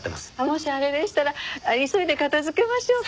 もしあれでしたら急いで片付けましょうか？